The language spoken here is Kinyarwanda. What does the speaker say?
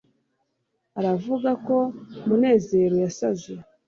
uravuga ko munezero yasaze